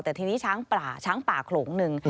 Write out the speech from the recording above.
แต่ทีนี้ช้างป่าช้างป่าโขลงหนึ่ง